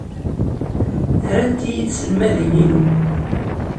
Rant-iyi tselmadin-inu.